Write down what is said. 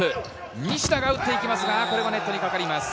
西田が打ってきますがネットにかかります。